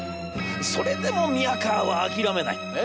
それでも宮河は諦めない。